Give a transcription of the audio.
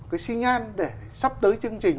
cái xin nhan để sắp tới chương trình